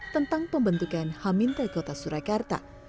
tentang pembentukan haminte kota surakarta